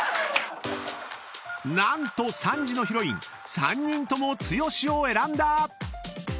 ［何と３時のヒロイン３人とも剛を選んだ！］